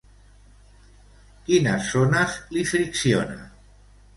Quines zones li fricciona?